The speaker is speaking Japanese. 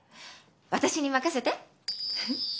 私に任せて。